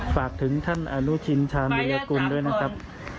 ฝากถึงท่านอนุชินชาญวิรากุลด้วยนะครับ